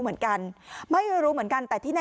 หญิงบอกว่าจะเป็นพี่ปวกหญิงบอกว่าจะเป็นพี่ปวก